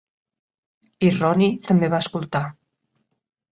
I Ronnie també va escoltar.